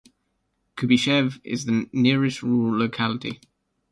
Kuybyshev is the nearest rural locality.